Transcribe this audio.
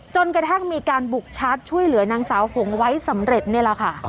จนกระทั่งมีการบุกชาร์จช่วยเหลือนางสาวหงไว้สำเร็จนี่แหละค่ะ